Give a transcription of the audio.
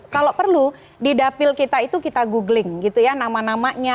kalau perlu di dapil kita itu kita googling gitu ya nama namanya